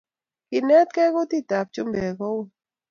Kinetkei kutut ab chumbek koui